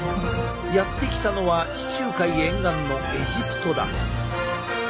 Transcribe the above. やって来たのは地中海沿岸のエジプトだ。